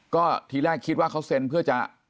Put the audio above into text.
ก็ทีแรกคิดว่าเขาเซ็นเพื่อจะ